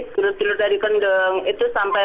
berdiri dari kendeng itu sampai